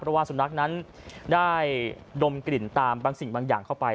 เพราะว่าสุนัขนั้นได้ดมกลิ่นตามบางสิ่งบางอย่างเข้าไป